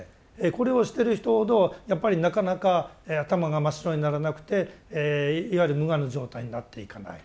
これをしてる人ほどやっぱりなかなか頭が真っ白にならなくていわゆる無我の状態になっていかない。